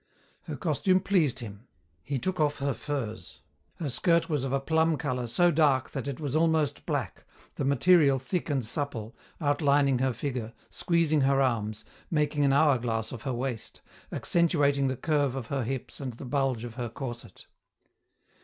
Her costume pleased him. He took off her furs. Her skirt was of a plum colour so dark that it was almost black, the material thick and supple, outlining her figure, squeezing her arms, making an hourglass of her waist, accentuating the curve of her hips and the bulge of her corset.